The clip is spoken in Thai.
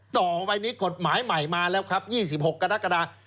ต่อไปนี้กฎหมายใหม่มาแล้วครับ๒๖กรกฎา